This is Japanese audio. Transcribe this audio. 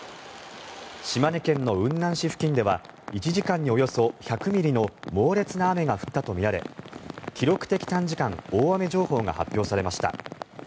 島根県の雲南市付近では１時間におよそ１００ミリの猛烈な雨が降ったとみられ記録的短時間大雨情報が発表されました。